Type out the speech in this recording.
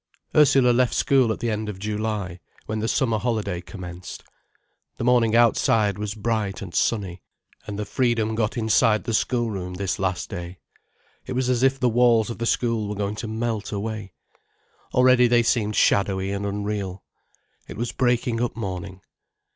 Ursula left school at the end of July, when the summer holiday commenced. The morning outside was bright and sunny, and the freedom got inside the schoolroom this last day. It was as if the walls of the school were going to melt away. Already they seemed shadowy and unreal. It was breaking up morning.